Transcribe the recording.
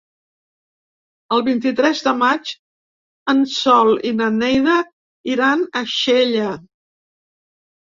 El vint-i-tres de maig en Sol i na Neida iran a Xella.